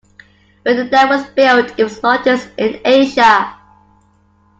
When the dam was built, it was the largest in Asia.